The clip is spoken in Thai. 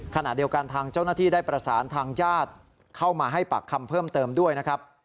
ขณะเดียวกันทางเจ้าหน้าที่ได้ประสานทางญาติเข้ามาให้ปากคำเพิ่มเติมด้วยนะครับ